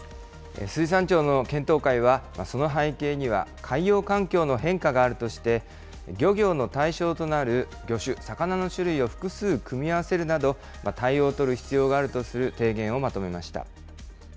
水産庁の検討会は、その背景には、海洋環境の変化があるとして、漁業の対象となる魚種、魚の種類を複数組み合わせるなど、対応を取る必要があるとする提言をまとめました。